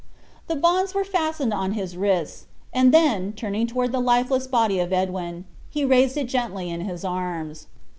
The bonds were fastened on his wrists; and then, turning toward the lifeless body of Edwin, he raised it gently in his arms.